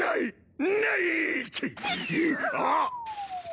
あっ。